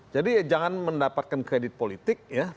jadi jangan mendapatkan kredit politik ya